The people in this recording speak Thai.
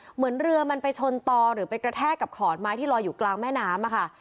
เหมือนเรือมันไปชนต่อหรือไปกระแทกกับขอนไม้ที่ลอยอยู่กลางแม่น้ำค่ะ